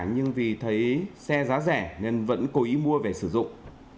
nhưng vì thấy xe giá rẻ nên vẫn cố ý mua về sử dụng